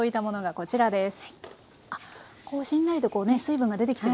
こうしんなりとこうね水分が出てきてますね。